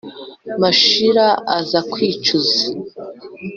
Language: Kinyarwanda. mashira aza kwicuza